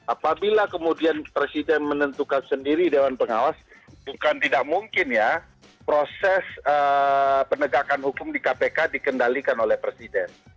apabila kemudian presiden menentukan sendiri dewan pengawas bukan tidak mungkin ya proses penegakan hukum di kpk dikendalikan oleh presiden